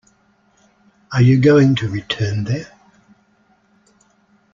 Are you going to return there?